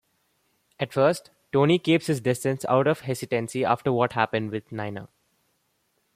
At first, Tony keeps his distance out of hesitancy after what happened with Nina.